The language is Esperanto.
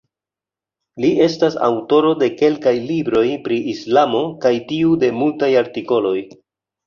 Li estas aŭtoro de kelkaj libroj pri islamo kaj tiu de multaj artikoloj.